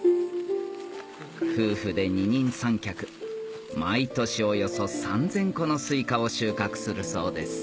夫婦で二人三脚毎年およそ３０００個のスイカを収穫するそうです